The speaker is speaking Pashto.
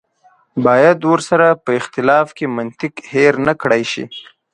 باید ورسره په اختلاف کې منطق هېر نه کړای شي.